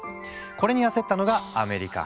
これに焦ったのがアメリカ。